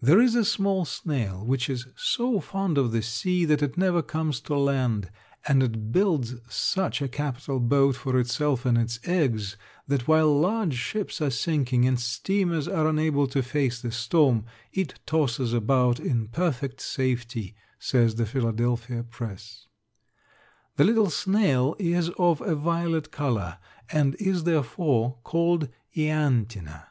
There is a small snail which is so fond of the sea that it never comes to land, and it builds such a capital boat for itself and its eggs that while large ships are sinking and steamers are unable to face the storm it tosses about in perfect safety, says the Philadelphia Press. The little snail is of a violet color and is therefore called Ianthina.